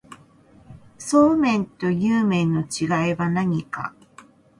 そうめんとにゅう麵の違いは何か